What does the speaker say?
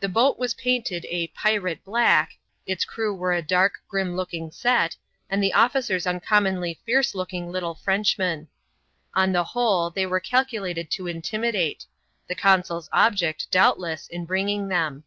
The boat was painted a "pirate black," its crew were a dark, grim looking set, and the officers uncommonly fierce looking little Frenchmen. On the whole they were calculated to intimidate — the consul's object, doubt less, in bringing them.